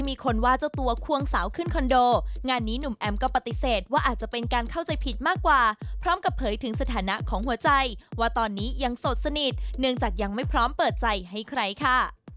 มีคนว่าเจ้าตัวควงสาวขึ้นคอนโดงานนี้หนุ่มแอมก็ปฏิเสธว่าอาจจะเป็นการเข้าใจผิดมากกว่าพร้อมกับเผยถึงสถานะของหัวใจว่าตอนนี้ยังสดสนิทเนื่องจากยังไม่พร้อมเปิดใจให้ใครค่ะ